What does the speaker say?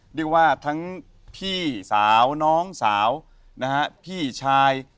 เรียกว่าทั้งพี่สาวน้องสาวนะฮะพี่ชาย